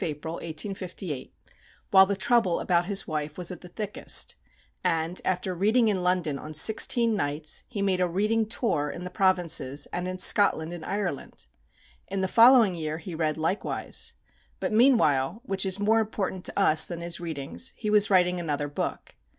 CHAPTER XII. Dickens' career as a reader reading for money commenced on the 29th of April, 1858, while the trouble about his wife was at the thickest; and, after reading in London on sixteen nights, he made a reading tour in the provinces, and in Scotland and Ireland. In the following year he read likewise. But meanwhile, which is more important to us than his readings, he was writing another book.